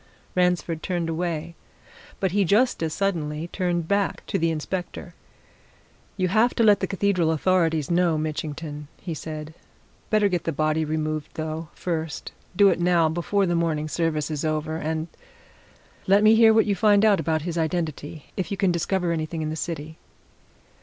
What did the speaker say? Ransford turned away. But he just as suddenly turned back to the inspector. "You'll have to let the Cathedral authorities know, Mitchington," he said. "Better get the body removed, though, first do it now before the morning service is over. And let me hear what you find out about his identity, if you can discover anything in the city."